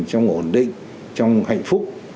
trong ổn định trong hạnh phúc